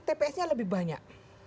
tps nya lebih banyak